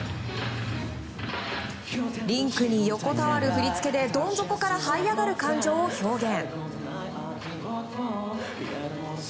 リンクに横たわる振り付けでどん底からはい上がる感情を表現。